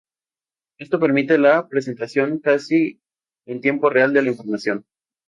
Esto permite la presentación casi en tiempo real de la información.